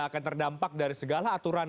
akan terdampak dari segala aturan